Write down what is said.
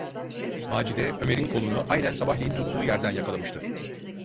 Macide, Ömer’in kolunu aynen sabahleyin tuttuğu yerden yakalamıştı.